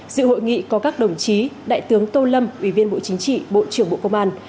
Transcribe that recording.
dự hội nghị có các đồng chí đại tướng tô lâm ủy viên bộ chính trị bộ trưởng bộ công an